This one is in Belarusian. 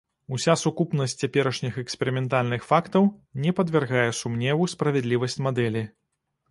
Уся сукупнасць цяперашніх эксперыментальных фактаў не падвяргае сумневу справядлівасць мадэлі.